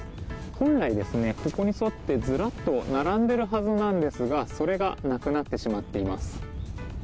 本来、ここに沿って、ずらっと並んでいるはずなんですがそれがなくなってしまっています。